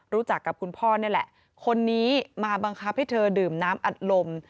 รู้จักกับคุณพ่อนี่แหละคนนี้มาบังคับให้เธอดื่มน้ำอัดลม